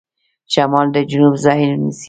شمال به د جنوب ځای ونیسي.